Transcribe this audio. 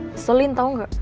keselin tau gak